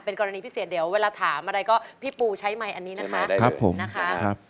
กรณีพิเศษเดี๋ยวเวลาถามอะไรก็พี่ปูใช้ไมค์อันนี้นะคะผมนะคะ